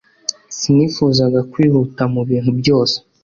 Sinifuzaga kwihuta mubintu byose